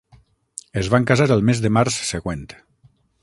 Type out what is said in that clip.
Es van casar el mes de març següent.